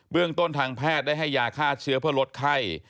เรื่องต้นทางแพทย์ได้ให้ยาฆ่าเชื้อเพื่อลดไข้